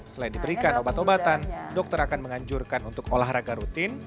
selain diberikan obat obatan dokter akan menganjurkan untuk olahraga rutin